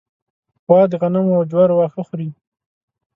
غوا د غنمو او جوارو واښه خوري.